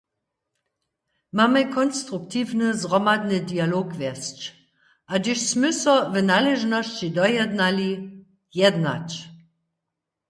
Mamy konstruktiwny zhromadny dialog wjesć, a hdyž smy so w naležnosći dojednali, jednać.